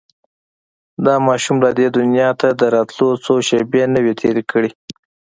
دا ماشوم لا دې دنيا ته د راتلو څو شېبې نه وې تېرې کړې.